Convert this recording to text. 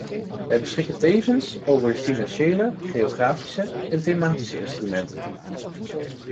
Wij beschikken tevens over de financiële, geografische en thematische instrumenten.